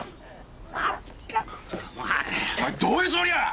お前どういうつもりや！？